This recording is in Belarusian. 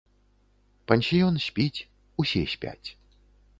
Пансіён спіць, усе спяць.